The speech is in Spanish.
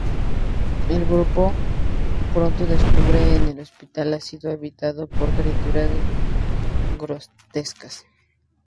El grupo pronto descubre que el hospital ha sido habitado por criaturas grotescas.